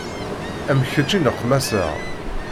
Am kečč i nneqmaseɣ.